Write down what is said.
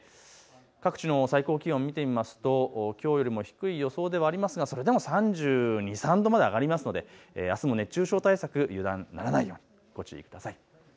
各地の最高気温を見てみるときょうよりも低い予想ではありますが、それでも３２、３３度まで上がりますのであすも熱中症対策、ご注意ください。